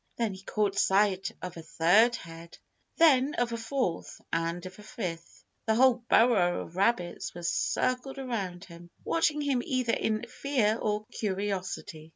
Then he caught sight of a third head, then of a fourth, and of a fifth. The whole burrow of rabbits was circled around him, watching him either in fear or curiosity.